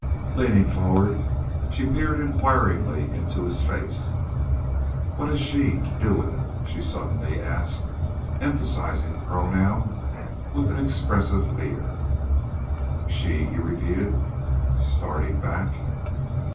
Leaning forward, she peered inquiringly in his face. "What has she to do with it?" she suddenly asked, emphasizing the pronoun with an expressive leer. "She?" he repeated, starting back.